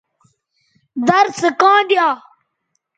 در سو کاں دیا